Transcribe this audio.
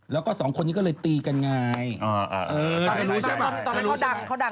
แล้วก็๒คนนี้ก็เลยตีกันไงใช่นะไม่รู้ใช่ไหมตอนนั้นเขาดัง